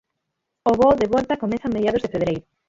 O voo de volta comeza a mediados de febreiro.